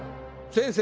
先生！